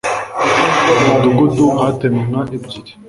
uwo mudugudu hatemwe inka ebyiri.